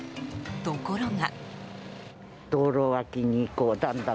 ところが。